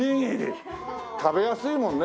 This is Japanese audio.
食べやすいもんね。